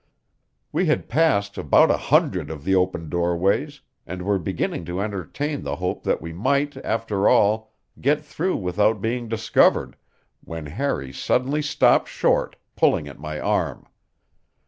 We had passed about a hundred of the open doorways, and were beginning to entertain the hope that we might, after all, get through without being discovered, when Harry suddenly stopped short, pulling at my arm.